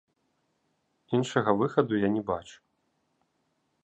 Іншага выхаду я не бачу.